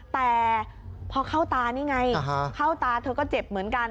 แต่พอเข้าตานี่ไงเข้าตาเธอก็เจ็บเหมือนกัน